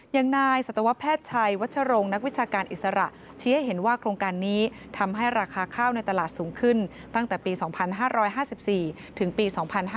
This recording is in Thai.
อย่างนายสัตวแพทย์ชัยวัชโรงนักวิชาการอิสระชี้ให้เห็นว่าโครงการนี้ทำให้ราคาข้าวในตลาดสูงขึ้นตั้งแต่ปี๒๕๕๔ถึงปี๒๕๕๙